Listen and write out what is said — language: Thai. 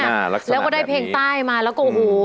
น่ารักษณะแบบนี้แล้วก็ได้เพลงใต้มาแล้วก็โอ้โห